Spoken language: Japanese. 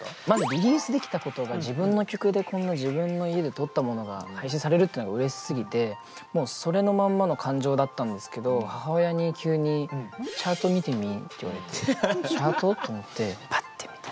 まずリリースできたことが自分の曲でこんな自分の家で録ったものが配信されるっていうのがうれしすぎてもうそれのまんまの感情だったんですけど母親に急に「チャート見てみ」って言われて「チャート？」と思って